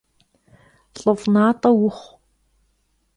Lh'ıf' nat'e vuxhu!